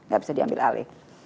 gak bisa diambil alih